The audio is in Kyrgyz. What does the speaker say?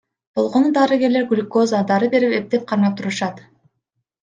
Болгону дарыгерлер глюкоза, дары берип эптеп кармап турушат.